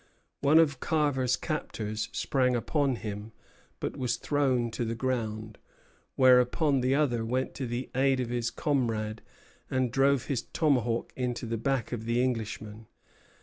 One of Carver's captors sprang upon him, but was thrown to the ground; whereupon the other went to the aid of his comrade and drove his tomahawk into the back of the Englishman.